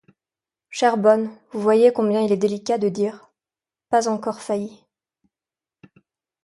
Chère bonne, vous voyez combien il est délicat de dire : pas encorefailli.